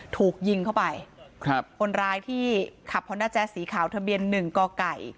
ถูกยิงเข้าไปครับคนร้ายที่ขับฮอนด้าแจ๊สสีขาวทะเบียนหนึ่งก่อไก่